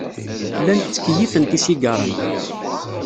Llant ttkeyyifent isigaṛen.